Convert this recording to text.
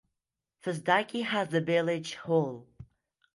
Fosdyke has a village hall.